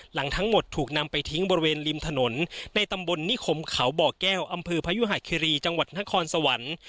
หลังทั้งหมดถูกนำไปทิ้งบริเวณริมถนนในตำบลนิคมเขาบ่อแก้วอำเภอพยุหาคิรีจังหวัดนครสวรรค์